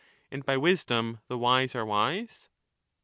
And by wisdom the wise are wise